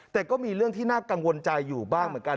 แต่ก็มีเรื่องที่น่ากังวลใจอยู่บ้างเหมือนกัน